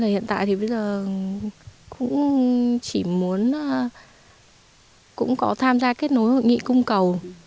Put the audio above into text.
hiện tại thì bây giờ cũng chỉ muốn cũng có tham gia kết nối hội nghị cung cầu